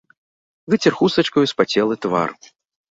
Выцер хустачкаю спацелы твар.